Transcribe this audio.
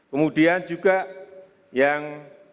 kemudian juga yang